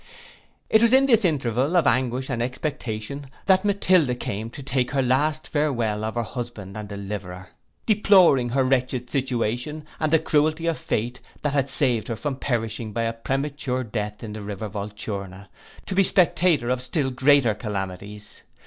It was in this interval of anguish and expectation, that Matilda came to take her last farewell of her husband and deliverer, deploring her wretched situation, and the cruelty of fate, that had saved her from perishing by a premature death in the river Volturna, to be the spectator of still greater calamities.